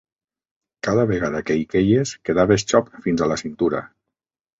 Cada vegada que hi queies quedaves xop fins a la cintura.